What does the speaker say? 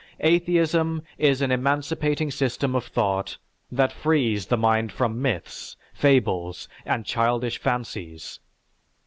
Atheism is an emancipating system of thought that frees the mind from myths, fables, and childish fancies.